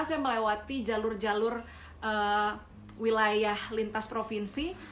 saya melewati jalur jalur wilayah lintas provinsi